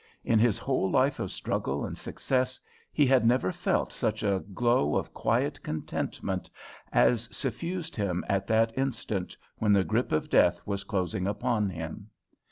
In his whole life of struggle and success he had never felt such a glow of quiet contentment as suffused him at that instant when the grip of death was closing upon him.